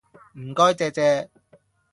唔該借借